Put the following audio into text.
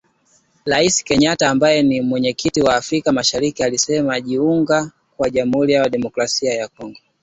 Rais Kenyatta ambaye ni Mwenyekiti wa afrika mashariki alisema kujiunga kwa Jamuhuri ya Demokrasia ya Kongo